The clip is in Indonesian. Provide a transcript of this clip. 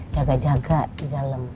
jaga jaga di dalem